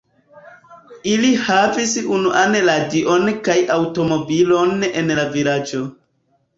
Ili havis unuaj radion kaj aŭtomobilon en la vilaĝo.